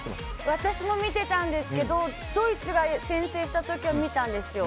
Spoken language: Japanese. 私も見てたんですけどドイツが先制した時は見たんですよ。